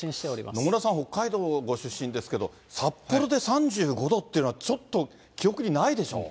野村さん、北海道ご出身ですけど、札幌で３５度っていうのは、ちょっと記憶にないでしょ？